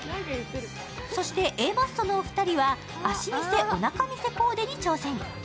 そしてＡマッソのお二人は足見せ、おなか見せコーデに挑戦。